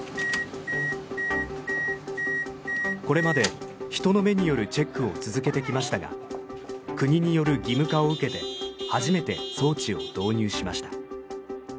これまで人の目によるチェックを続けてきましたが国による義務化を受けて初めて装置を導入しました。